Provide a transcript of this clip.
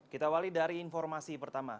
kita awali dari informasi pertama